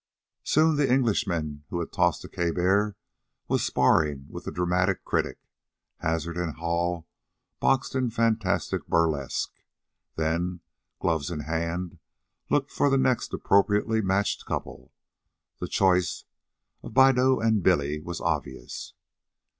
Soon, the Englishman who had tossed the caber was sparring with the dramatic critic, Hazard and Hall boxed in fantastic burlesque, then, gloves in hand, looked for the next appropriately matched couple. The choice of Bideaux and Billy was obvious.